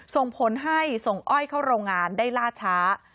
ส่งผลให้ส่งอ้อยเข้าโรงงานได้ล่าช้า